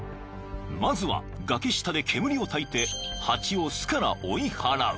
［まずは崖下で煙をたいてハチを巣から追い払う］